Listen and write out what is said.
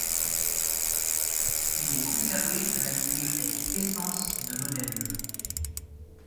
Il est conservé à la Bibliothèque Estense de Modène.